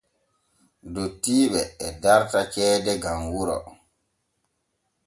Dottiiɓe e darta ceede gam wuro.